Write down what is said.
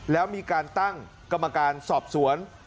แล้วมีการตั้งกรรมการสอบสวน